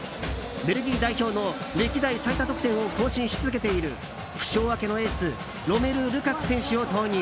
ベルギー代表の歴代最多得点を更新し続けている負傷明けのエースロメル・ルカク選手を投入。